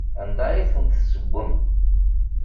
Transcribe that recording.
Anda ay ten-tessewwem?